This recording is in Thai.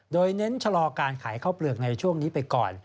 โดยเน้นชะลอการขายข้าวเปลือกในช่วงนี้ไปก่อน